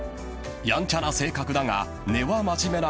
［やんちゃな性格だが根は真面目な］